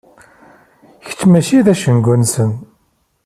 Kečč mačči d acengu-nsen.